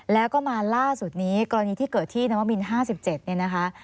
แล้วก็มาล่าสุดนี้กรณีที่เกิดที่นวมิน๕๗เนี่ยนะคะ